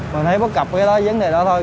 mình thấy bất cập cái đó vấn đề đó thôi